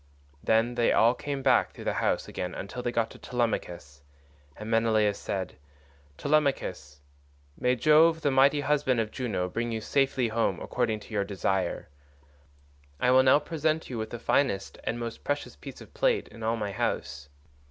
131 Then they all came back through the house again till they got to Telemachus, and Menelaus said, "Telemachus, may Jove, the mighty husband of Juno, bring you safely home according to your desire. I will now present you with the finest and most precious piece of plate in all my house.